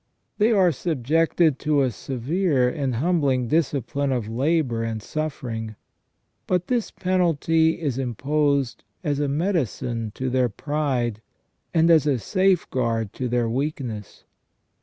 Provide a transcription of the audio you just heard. They are subjected to a severe and humbling discipline of labour and suffering ; but this penalty is imposed as a medicine to their pride, and as a safeguard to their weakness.